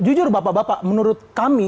dan jujur bapak bapak menurut kami